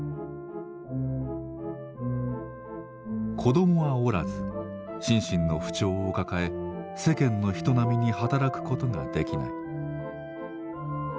子供はおらず心身の不調を抱え世間の人並みに働くことができない。